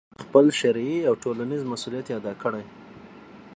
خپل شرعي او ټولنیز مسؤلیت ادا کړي،